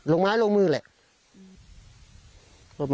ลงไม้ลงมือบ่